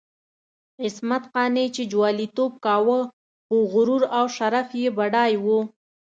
عصمت قانع که جواليتوب کاوه، خو غرور او شرف یې بډای وو.